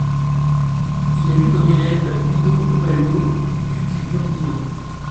Il a eu comme élève Guido Ubaldo, duc d'Urbino.